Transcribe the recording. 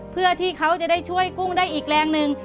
เพื่อที่เขาจะได้ช่วยกุ้งได้อีกแรงหนึ่ง